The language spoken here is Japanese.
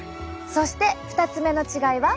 そして２つ目の違いは。